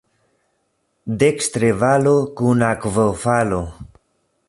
Dekstre valo kun akvofalo.